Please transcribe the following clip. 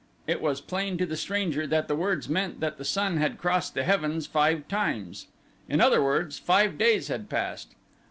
It was plain to the stranger that the words meant that the sun had crossed the heavens five times. In other words, five days had passed.